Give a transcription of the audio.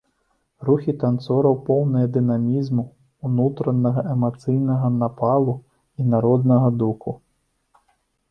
Рухі танцораў поўныя дынамізму, унутранага эмацыйнага напалу і народнага духу.